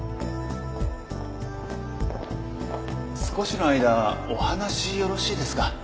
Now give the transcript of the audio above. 少しの間お話よろしいですか？